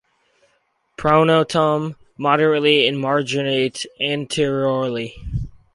Pronotum moderately emarginate anteriorly.